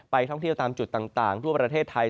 ท่องเที่ยวตามจุดต่างทั่วประเทศไทย